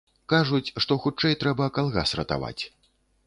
Кажуць, што хутчэй трэба калгас ратаваць.